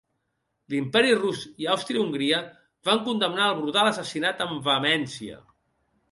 L'Imperi rus i Àustria-Hongria van condemnar el brutal assassinat amb vehemència.